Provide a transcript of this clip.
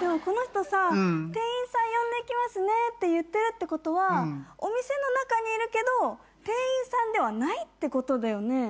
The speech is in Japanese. でもこの人さ「店員さん呼んできますね」って言ってるってことはお店の中にいるけど店員さんではないってことだよね。